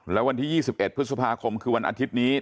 และวันที่๒๑พฤษภาคมคือวันอาทิตย์นี้